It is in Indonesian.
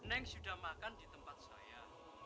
neng sudah makan di tempat saya